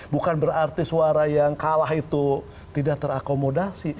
bukan berarti suara yang kalah itu tidak terakomodasi